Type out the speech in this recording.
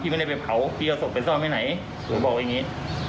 ไม่ได้ไปเผาพี่เอาศพไปซ่อนไว้ไหนหนูบอกว่าอย่างนี้